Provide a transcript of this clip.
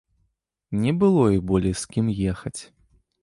Не было ёй болей з кім ехаць.